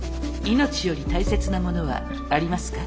命より大切なものはありますか？